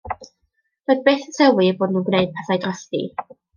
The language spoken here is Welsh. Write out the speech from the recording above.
Doedd byth yn sylwi eu bod nhw'n gwneud pethau drosti.